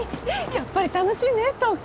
やっぱり楽しいね東京！